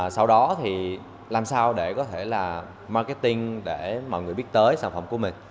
sau đó thì làm sao để có thể là marketing để mọi người biết tới sản phẩm của mình